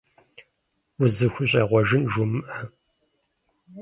УзыхущӀегъуэжын жумыӀэ.